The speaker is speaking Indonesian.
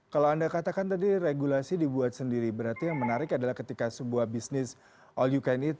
kalau anda katakan tadi regulasi dibuat sendiri berarti yang menarik adalah ketika sebuah bisnis all you can eat